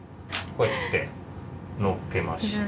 こうやってのっけました。